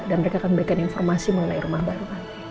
dan mereka akan memberikan informasi mengenai rumah baru